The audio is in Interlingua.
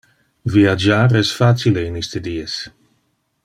Viagiar es facile in iste dies.